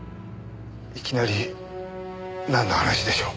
いきなりなんの話でしょう。